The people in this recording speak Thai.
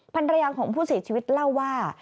พันธุ์ระยะของผู้เสียชีวิตเล่าว่า